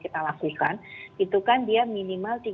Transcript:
kita lakukan itu kan dia minimal